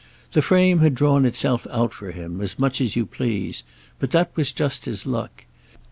The frame had drawn itself out for him, as much as you please; but that was just his luck.